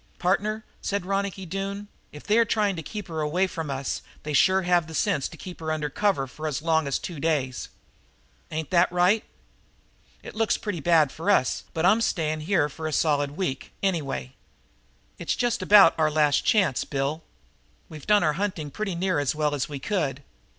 "Partner," said Ronicky Doone, "if they are trying to keep her away from us they sure have the sense to keep her under cover for as long as two days. Ain't that right? It looks pretty bad for us, but I'm staying here for one solid week, anyway. It's just about our last chance, Bill. We've done our hunting pretty near as well as we could.